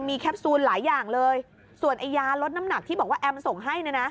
มีแคปซูลหลายอย่างเลยส่วนไอ้ยาลดน้ำหนักที่แอมส่งให้